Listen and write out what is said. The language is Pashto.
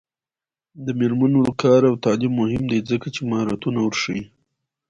د میرمنو کار او تعلیم مهم دی ځکه چې مهارتونه ورښيي.